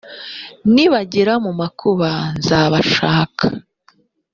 nibagera mu makuba bazanshaka